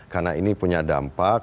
karena ini punya dampak